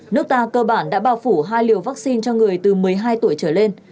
nước ta cơ bản đã bao phủ hai liều vaccine cho người từ một mươi hai tuổi trở lên